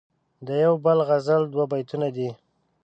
دیو بل غزل دوه بیتونه دي..